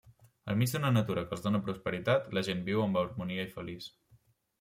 Enmig d'una natura que els dóna prosperitat, la gent viu amb harmonia i feliç.